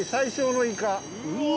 うわ！